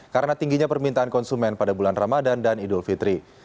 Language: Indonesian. karena tingginya permintaan konsumen pada bulan ramadan dan idul fitri